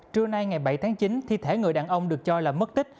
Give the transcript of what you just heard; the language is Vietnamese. trưa nay ngày bảy tháng chín thi thể người đàn ông được cho là mất tích